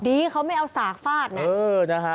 ดีเขาไม่เอาสากฟาดนะ